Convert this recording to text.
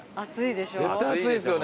絶対熱いですよね